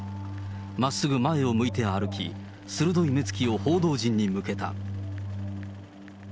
まっすぐ前を向いて歩き、鋭い目つきを報道陣に向けた。